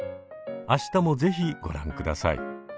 明日も是非ご覧ください。